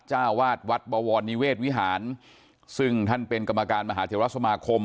เจ้าวาดวัดบวรนิเวศวิหารซึ่งท่านเป็นกรรมการมหาเทวรัฐสมาคม